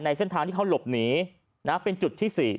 เส้นทางที่เขาหลบหนีเป็นจุดที่๔